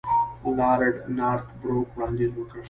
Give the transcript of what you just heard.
لارډ نارت بروک وړاندیز وکړ.